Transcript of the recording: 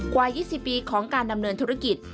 กว่า๒๐ปีของการดำเนินธุรกิจ